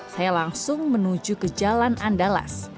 saya langsung menuju ke jalan andalas